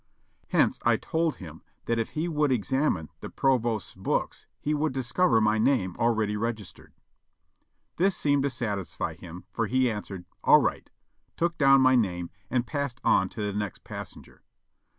Hence I told him that if he would examine the provost's books he would discover my name already registered. This seemed to satisfy him, for he answered "All right," took down my name and passed on to the next passenger.